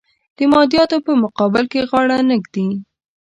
د مادیاتو په مقابل کې غاړه نه ږدي.